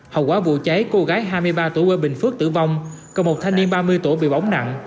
hậu quả vụ cháy cô gái hai mươi ba tuổi quê bình phước tử vong còn một thanh niên ba mươi tuổi bị bỏng nặng